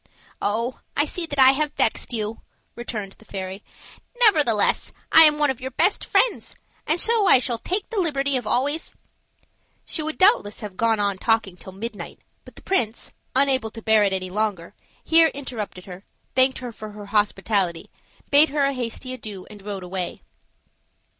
"Oh! I see that I have vexed you," returned the fairy. "Nevertheless, I am one of your best friends, and so I shall take the liberty of always " She would doubtless have gone on talking till midnight; but the prince, unable to bear it any longer, here interrupted her, thanked her for her hospitality, bade her a hasty adieu, and rode away.